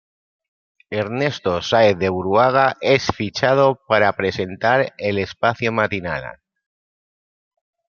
Ernesto Sáenz de Buruaga es fichado para presentar el espacio matinal.